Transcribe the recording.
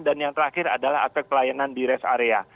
dan yang terakhir adalah aspek pelayanan di rest area